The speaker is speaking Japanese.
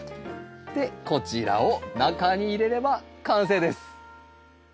でこちらを中に入れれば完成です。